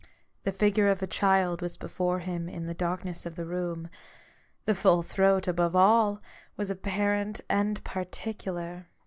The figure of the child was 120 A BOOK OF BARGAINS. before him in the darkness of the room ; the full throat, above all 1 was apparent and particular.